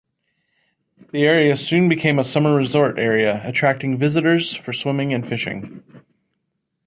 The area soon became a summer resort area, attracting visitors for swimming and fishing.